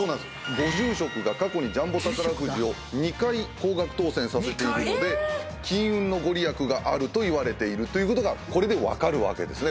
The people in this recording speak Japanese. ご住職が過去にジャンボ宝くじを２回高額当選させているので金運の御利益があるといわれているということがこれで分かるわけですね